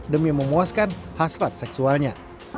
demi memuaskan hasrat seksualnya